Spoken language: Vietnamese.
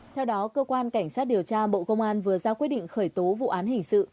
theo đó cơ quan cảnh sát điều tra bộ công an vừa ra quyết định khởi tố vụ án hình sự